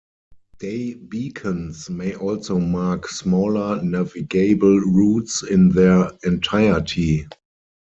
Day beacons may also mark smaller navigable routes in their entirety.